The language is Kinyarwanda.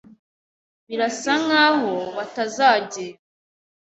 Birasa nkaho batazagenda.